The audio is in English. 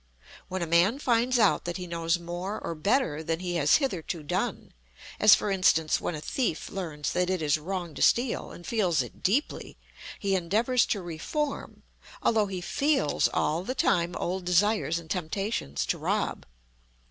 When a man finds out that he knows more or better than he has hitherto done: as, for instance, when a thief learns that it is wrong to steal, and feels it deeply, he endeavors to reform, although he feels all the time old desires and temptations to rob.